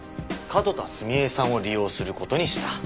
角田澄江さんを利用する事にした。